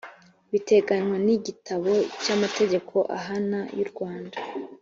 biteganywa n igitabo cy amategeko ahana y urwanda